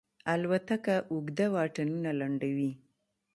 الوتکه اوږده واټنونه لنډوي.